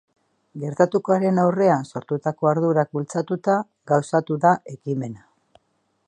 Gertatutakoaren aurrean sortutako ardurak bultzatuta gauzatu da ekimena.